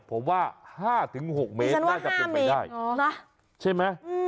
เพราะว่าห้าถึงหกเมตรน่าจะไปได้น่ะใช่ไหมอืม